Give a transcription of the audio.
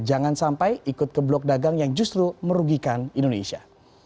jangan sampai ikut ke blok dagang yang justru merugikan indonesia